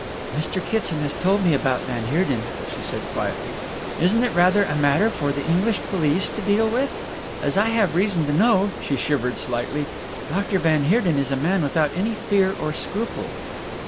"Mr. Kitson has told me about van Heerden," she said quietly. "Isn't it rather a matter for the English police to deal with? As I have reason to know," she shivered slightly, "Doctor van Heerden is a man without any fear or scruple."